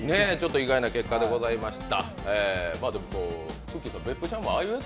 意外な結果でございました。